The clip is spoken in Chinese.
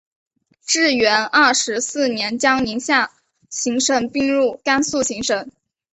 至元二十四年将宁夏行省并入甘肃行省。